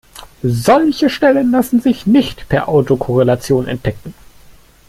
Solche Stellen lassen sich nicht per Autokorrelation entdecken.